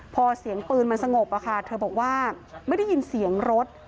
พอเสียงปืนมันสงบเธอบอกว่าไม่ได้ยินเสียงรถ